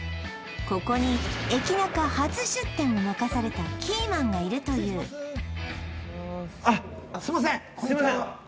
ここに駅ナカ初出店を任されたキーマンがいるというあっすいませんこんにちは